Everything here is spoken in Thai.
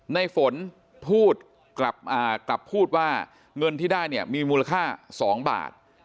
นายฝนกลับพูดว่าเงินที่ได้มีมูลค่า๒บาท